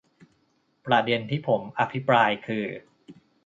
ประเด็นที่ผมอภิปรายคือ